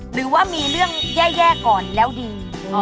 หรือว่ามีเรื่องแย่ก่อนแล้วดี